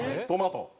トマト。